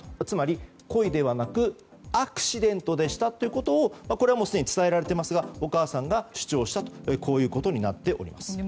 つまり故意ではなくアクシデントでしたということをこれはすでに伝えられていますがお母さんが主張したということになっています。